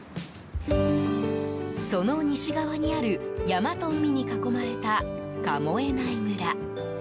その西側にある山と海に囲まれた神恵内村。